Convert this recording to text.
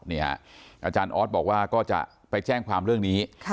อาจารย์ออสบอกว่าก็จะไปแจ้งความเรื่องนี้